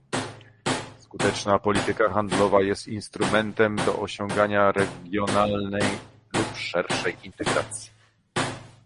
Skuteczna polityka handlowa jest instrumentem do osiągania regionalnej lub szerszej integracji